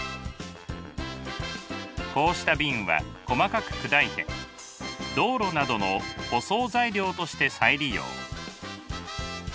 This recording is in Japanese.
こうした瓶は細かく砕いて道路などの舗装材料として再利用。